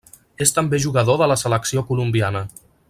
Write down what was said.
És també jugador de la selecció colombiana.